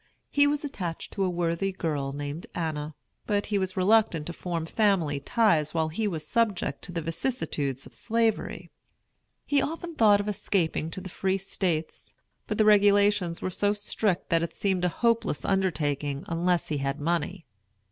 He was attached to a worthy girl named Anna, but he was reluctant to form family ties while he was subject to the vicissitudes of Slavery. He often thought of escaping to the Free States, but the regulations were so strict that it seemed a hopeless undertaking, unless he had money.